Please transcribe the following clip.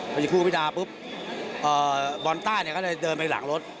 อยู่คู่กับพี่ดาปุ๊บบอลต้าเนี่ยก็เลยเดินไปหลังรถ